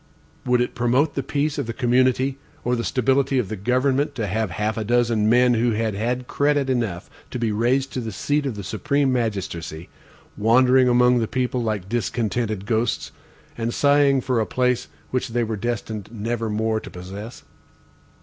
Would it promote the peace of the community, or the stability of the government to have half a dozen men who had had credit enough to be raised to the seat of the supreme magistracy, wandering among the people like discontented ghosts, and sighing for a place which they were destined never more to possess?